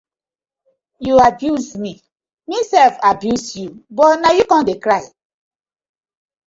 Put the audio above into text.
Yu abuse mi mi sef I abuse yu but na yu com de cry.